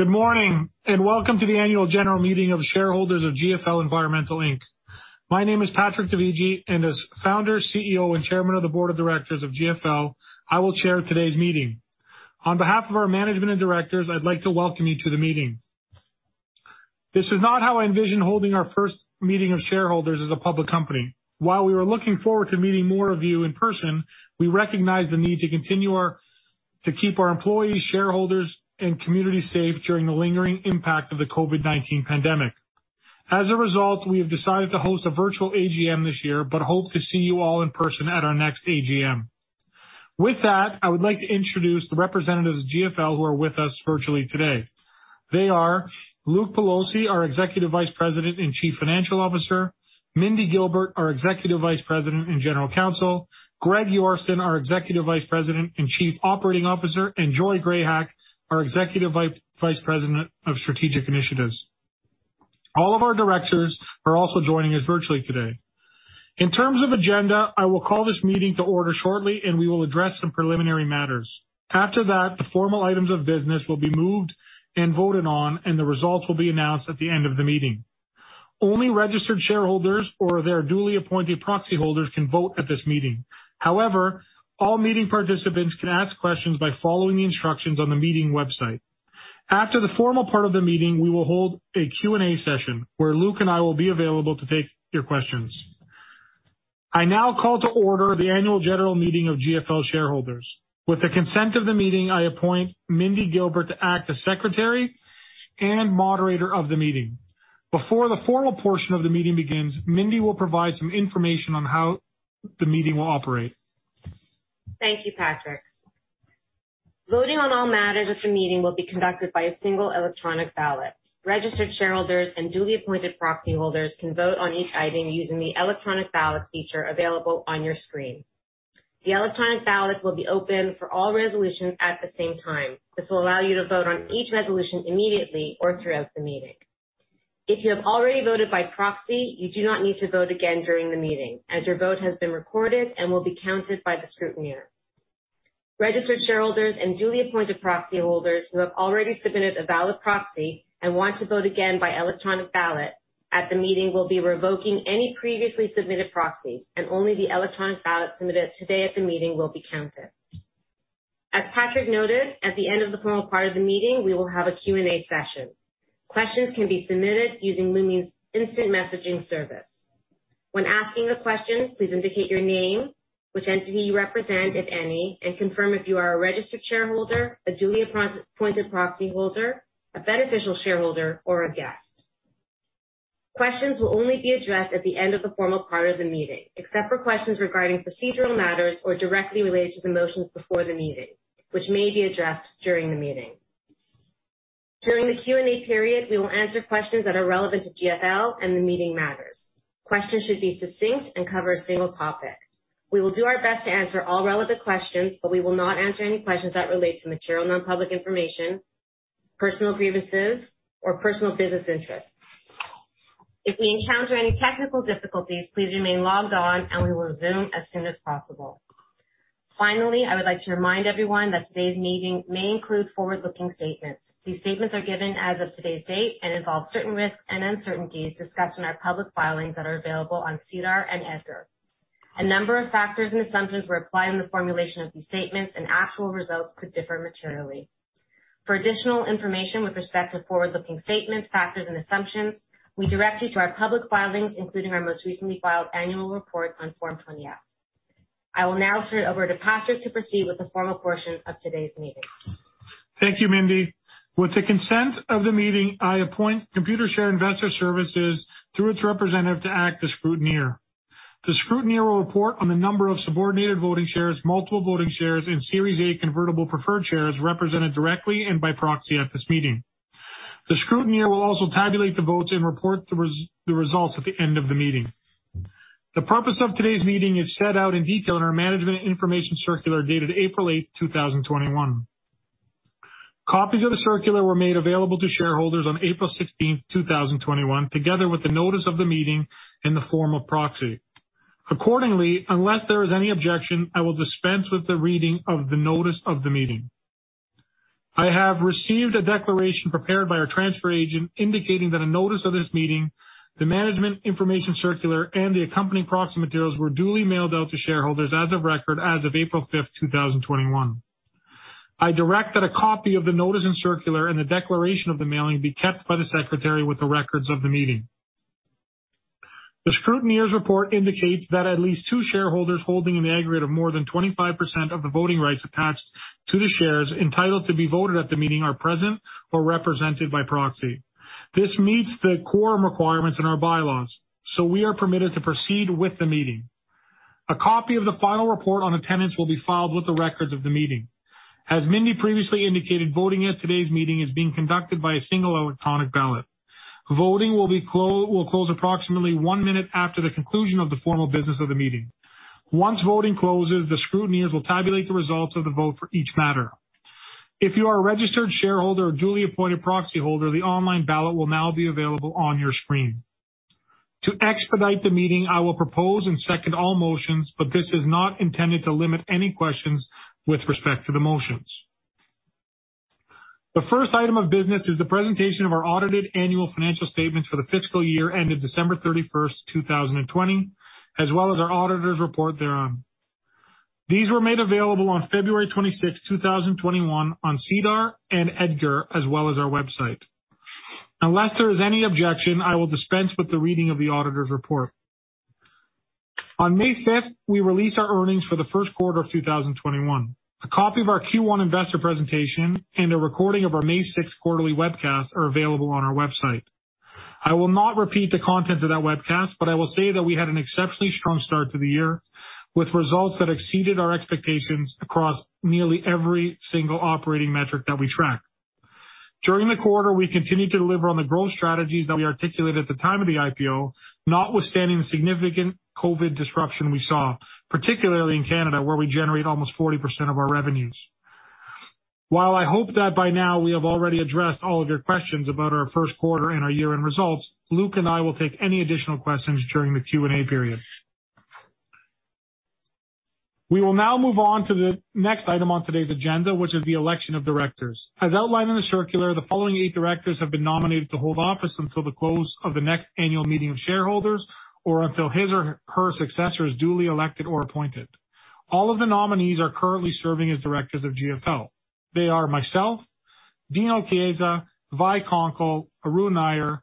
Good morning, welcome to the Annual General Meeting of Shareholders of GFL Environmental Inc. My name is Patrick Dovigi, and as Founder, CEO, and Chairman of the Board of Directors of GFL, I will chair today's meeting. On behalf of our management and directors, I'd like to welcome you to the meeting. This is not how I envisioned holding our first meeting of shareholders as a public company. While we were looking forward to meeting more of you in person, we recognize the need to keep our employees, shareholders, and community safe during the lingering impact of the COVID-19 pandemic. As a result, we have decided to host a virtual AGM this year but hope to see you all in person at our next AGM. With that, I would like to introduce the representatives of GFL who are with us virtually today. They are Luke Pelosi, our Executive Vice President and Chief Financial Officer, Mindy Gilbert, our Executive Vice President and General Counsel, Greg Yorston, our Executive Vice President and Chief Operating Officer, and Joy Grahek, our Executive Vice President of Strategic Initiatives. All of our directors are also joining us virtually today. In terms of agenda, I will call this meeting to order shortly, and we will address some preliminary matters. After that, the formal items of business will be moved and voted on, and the results will be announced at the end of the meeting. Only registered shareholders or their duly appointed proxy holders can vote at this meeting. However, all meeting participants can ask questions by following the instructions on the meeting website. After the formal part of the meeting, we will hold a Q&A session where Luke and I will be available to take your questions. I now call to order the Annual General Meeting of GFL shareholders. With the consent of the meeting, I appoint Mindy Gilbert to act as Secretary and moderator of the meeting. Before the formal portion of the meeting begins, Mindy will provide some information on how the meeting will operate. Thank you, Patrick. Voting on all matters of the meeting will be conducted by a single electronic ballot. Registered shareholders and duly appointed proxy holders can vote on each item using the electronic ballot feature available on your screen. The electronic ballot will be open for all resolutions at the same time. This will allow you to vote on each resolution immediately or throughout the meeting. If you have already voted by proxy, you do not need to vote again during the meeting, as your vote has been recorded and will be counted by the scrutineer. Registered shareholders and duly appointed proxy holders who have already submitted a valid proxy and want to vote again by electronic ballot at the meeting will be revoking any previously submitted proxies, and only the electronic ballot submitted today at the meeting will be counted. As Patrick noted, at the end of the formal part of the meeting, we will have a Q&A session. Questions can be submitted using the meeting's instant messaging service. When asking a question, please indicate your name, which entity you represent, if any, and confirm if you are a registered shareholder, a duly appointed proxy holder, a beneficial shareholder, or a guest. Questions will only be addressed at the end of the formal part of the meeting, except for questions regarding procedural matters or directly related to the motions before the meeting, which may be addressed during the meeting. During the Q&A period, we will answer questions that are relevant to GFL and the meeting matters. Questions should be succinct and cover a single topic. We will do our best to answer all relevant questions, but we will not answer any questions that relate to material non-public information, personal grievances, or personal business interests. If we encounter any technical difficulties, please remain logged on, and we will resume as soon as possible. Finally, I would like to remind everyone that today's meeting may include forward-looking statements. These statements are given as of today's date and involve certain risks and uncertainties discussed in our public filings that are available on SEDAR and EDGAR. A number of factors and assumptions were applied in the formulation of these statements, and actual results could differ materially. For additional information with respect to forward-looking statements, factors, and assumptions, we direct you to our public filings, including our most recently filed Annual Report on Form 20-F. I will now turn it over to Patrick to proceed with the formal portion of today's meeting. Thank you, Mindy. With the consent of the meeting, I appoint Computershare Investor Services through its representative to act as scrutineer. The scrutineer will report on the number of subordinated voting shares, multiple voting shares, and Series A convertible preferred shares represented directly and by proxy at this meeting. The scrutineer will also tabulate the votes and report the results at the end of the meeting. The purpose of today's meeting is set out in detail in our Management Information Circular dated April 8th, 2021. Copies of the circular were made available to shareholders on April 16th, 2021, together with the notice of the meeting and the form of proxy. Accordingly, unless there is any objection, I will dispense with the reading of the notice of the meeting. I have received a declaration prepared by our transfer agent indicating that a notice of this meeting, the Management Information Circular, and the accompanying proxy materials were duly mailed out to shareholders as of record as of April 5th, 2021. I direct that a copy of the notice and circular and the declaration of the mailing be kept by the secretary with the records of the meeting. The scrutineer's report indicates that at least two shareholders holding an aggregate of more than 25% of the voting rights attached to the shares entitled to be voted at the meeting are present or represented by proxy. This meets the quorum requirements in our bylaws, so we are permitted to proceed with the meeting. A copy of the final report on attendance will be filed with the records of the meeting. As Mindy previously indicated, voting at today's meeting is being conducted by a single electronic ballot. Voting will close approximately one minute after the conclusion of the formal business of the meeting. Once voting closes, the scrutineers will tabulate the results of the vote for each matter. If you are a registered shareholder or duly appointed proxy holder, the online ballot will now be available on your screen. To expedite the meeting, I will propose and second all motions, but this is not intended to limit any questions with respect to the motions. The first item of business is the presentation of our audited annual financial statements for the fiscal year ended December 31st, 2020, as well as our auditor's report thereon. These were made available on February 26, 2021 on SEDAR and EDGAR as well as our website. Unless there is any objection, I will dispense with the reading of the auditor's report. On May 5th, we released our earnings for the first quarter of 2021. A copy of our Q1 investor presentation and a recording of our May 6th quarterly webcast are available on our website. I will not repeat the contents of that webcast, but I will say that we had an exceptionally strong start to the year, with results that exceeded our expectations across nearly every single operating metric that we track. During the quarter, we continued to deliver on the growth strategies that we articulated at the time of the IPO notwithstanding the significant COVID-19 disruption we saw, particularly in Canada where we generate almost 40% of our revenues. While I hope that by now we have already addressed all of your questions about our first quarter and our year-end results, Luke and I will take any additional questions during the Q&A period. We will now move on to the next item on today's agenda, which is the election of directors. As outlined in the circular, the following eight directors have been nominated to hold office until the close of the next Annual Meeting of Shareholders or until his or her successor is duly elected or appointed. All of the nominees are currently serving as directors of GFL. They are myself, Dino Chiesa, Violet Konkle, Arun Nayar,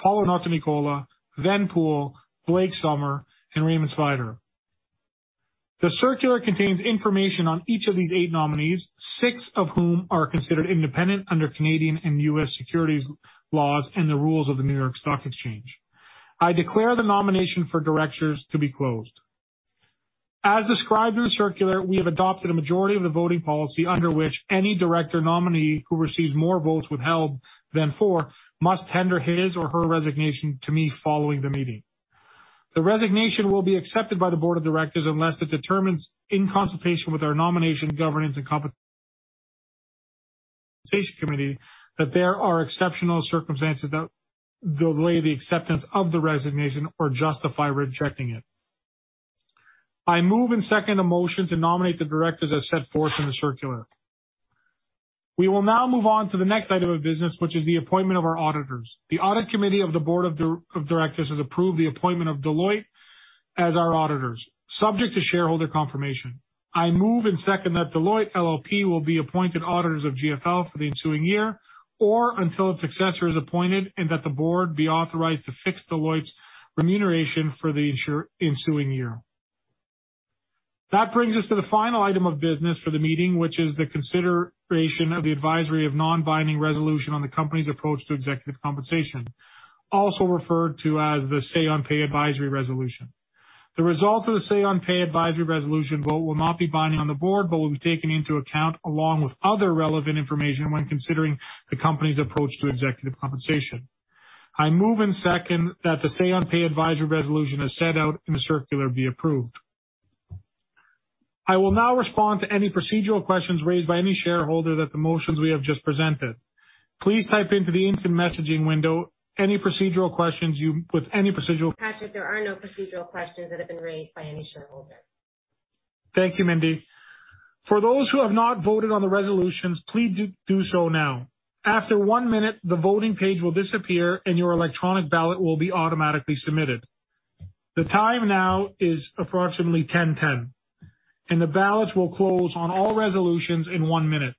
Paolo Notarnicola, Ven Poole, Blake Sumler, and Raymond Svider. The circular contains information on each of these eight nominees, six of whom are considered independent under Canadian and U.S. securities laws and the rules of the New York Stock Exchange. I declare the nomination for directors to be closed. As described in the circular, we have adopted a majority of the voting policy under which any director nominee who receives more votes withheld than for must tender his or her resignation to me following the meeting. The resignation will be accepted by the Board of Directors unless it determines, in consultation with our nomination, governance, and compensation committee, that there are exceptional circumstances that delay the acceptance of the resignation or justify rejecting it. I move and second a motion to nominate the directors as set forth in the circular. We will now move on to the next item of business, which is the appointment of our auditors. The Audit Committee of the Board of Directors has approved the appointment of Deloitte as our auditors, subject to shareholder confirmation. I move and second that Deloitte LLP will be appointed auditors of GFL for the ensuing year or until its successor is appointed and that the board be authorized to fix Deloitte's remuneration for the ensuing year. That brings us to the final item of business for the meeting, which is the consideration of the advisory of non-binding resolution on the company's approach to executive compensation, also referred to as the Say-on-Pay advisory resolution. The result of the say-on-pay advisory resolution vote will not be binding on the board but will be taken into account along with other relevant information when considering the company's approach to executive compensation. I move and second that the Say-on-Pay advisory resolution as set out in the circular be approved. I will now respond to any procedural questions raised by any shareholder that the motions we have just presented. Please type into the instant messaging window any procedural questions. Patrick, there are no procedural questions that have been raised by any shareholder. Thank you, Mindy. For those who have not voted on the resolutions, please do so now. After one minute, the voting page will disappear and your electronic ballot will be automatically submitted. The time now is approximately 10:10 A.M., and the ballots will close on all resolutions in one minute.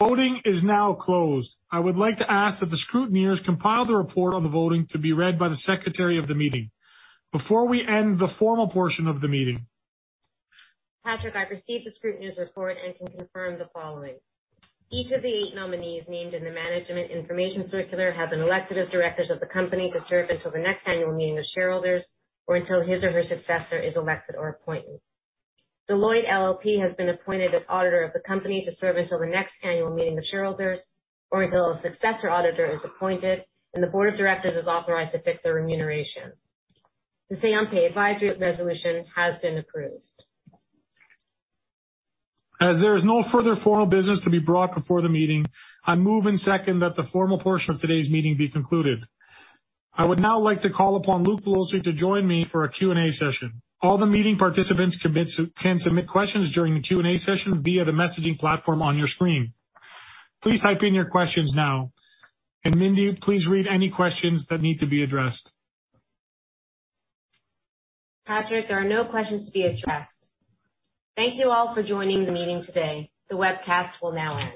Voting is now closed. I would like to ask that the scrutineers compile the report on the voting to be read by the secretary of the meeting before we end the formal portion of the meeting. Patrick, I've received the scrutineer's report and can confirm the following. Each of the eight nominees named in the Management Information Circular have been elected as directors of the company to serve until the next Annual Meeting of Shareholders or until his or her successor is elected or appointed. Deloitte LLP has been appointed as auditor of the company to serve until the next annual meeting of shareholders or until a successor auditor is appointed, and the Board of Directors is authorized to fix their remuneration. The Say-on-Pay advisory resolution has been approved. As there is no further formal business to be brought before the meeting, I move and second that the formal portion of today's meeting be concluded. I would now like to call upon Luke Pelosi to join me for a Q&A session. All the meeting participants can submit questions during the Q&A session via the messaging platform on your screen. Please type in your questions now. Mindy, please read any questions that need to be addressed. Patrick, there are no questions to be addressed. Thank you all for joining the meeting today. The webcast will now end.